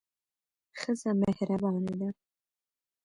ښځه مهربانه ده.